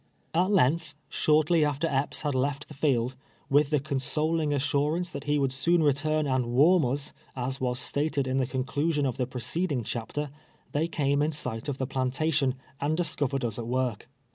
At length, shortly after Epps had left the field, with the consoling assurance that he M'ould soon return and warm us, as was stated in the conclusion of the pre ceding chapter, they came in sight of the plantation, REACH EPrs' PL.VNTATION. ' 301 and discovered us at work.